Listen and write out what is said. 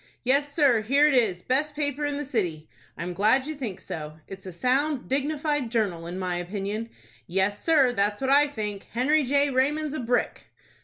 "Yes, sir. Here it is. Best paper in the city!" "I am glad you think so. It's a sound, dignified journal, in my opinion." "Yes, sir. That's what I think. Henry J. Raymond's a brick!"